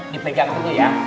dipegang dulu ya